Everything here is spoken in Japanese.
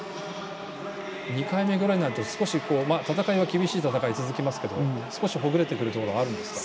２回目ぐらいになると厳しい戦いは続きますけど少しほぐれてくるところがあるんですか？